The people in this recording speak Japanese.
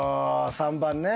３番ね。